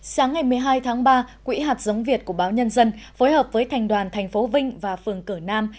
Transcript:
sáng ngày một mươi hai tháng ba quỹ hạt giống việt của báo nhân dân phối hợp với thành đoàn thành phố vinh và phường cửa nam